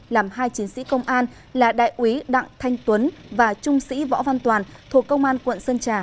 làm hai chiến sĩ công an là đại úy đặng thanh tuấn và trung sĩ võ văn toàn thuộc công an quận sơn trà